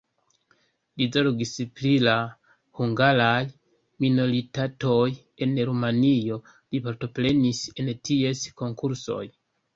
Li zorgis pri la hungaraj minoritatoj en Rumanio, li partoprenis en ties konkursoj.